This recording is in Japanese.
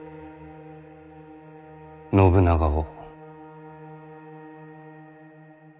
信長を。